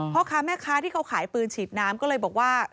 พ่อค้าแม่ค้าที่เขาขายปืนฉีดน้ำก็เลยบอกว่า